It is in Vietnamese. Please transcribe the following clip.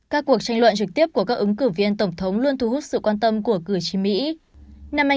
các cuộc tranh luận trực tiếp của các ứng cử viên tổng thống luôn thu hút sự quan tâm của cử tri mỹ